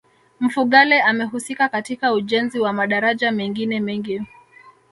Mfugale amehusika katika ujenzi wa madaraja mengine mengi